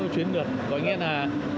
chuyến lượt gọi nghĩa là